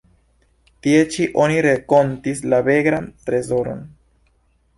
Tie ĉi oni renkontis la Begram-Trezoron.